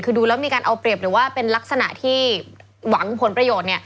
คือดูแล้วมีการเอาเปรียบหรือว่าเป็นลักษณะที่หวังผลประโยชน์